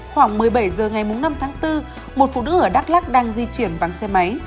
khoảng một mươi bảy h ngày năm tháng bốn một phụ nữ ở đắk lắc đang di chuyển bằng xe máy